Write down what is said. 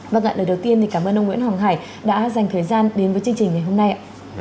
vâng ạ lời đầu tiên thì cảm ơn ông nguyễn hoàng hải đã dành thời gian đến với chương trình ngày hôm nay